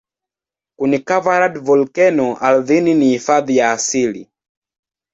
Kuni-covered volkeno ardhini ni hifadhi ya asili.